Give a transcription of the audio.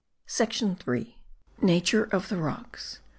SECTION 3. NATURE OF THE ROCKS.